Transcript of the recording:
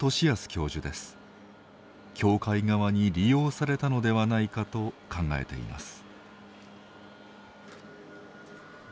教会側に利用されたのではないかと考えています。